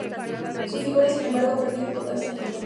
Su figura, sin embargo, ha perdido importancia en el tiempo.